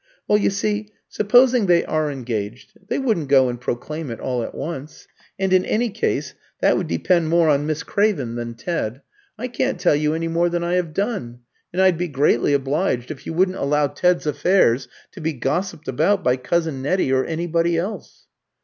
"Well, you see, supposing they are engaged, they wouldn't go and proclaim it all at once; and in any case, that would depend more on Miss Craven than Ted. I can't tell you any more than I have done; and I'd be greatly obliged if you wouldn't allow Ted's affairs to be gossiped about by cousin Nettie or anybody else."